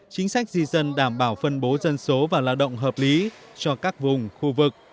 chính sách di dân đảm bảo phân bố dân số và lao động hợp lý cho các vùng khu vực